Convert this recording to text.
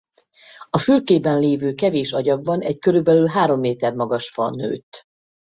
A fülkében lévő kevés agyagban egy körülbelül három méter magas fa nőtt.